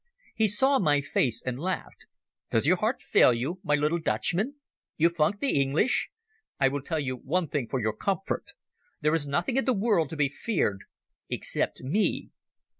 He saw my face and laughed. "Does your heart fail you, my little Dutchman? You funk the English? I will tell you one thing for your comfort. There is nothing in the world to be feared except me.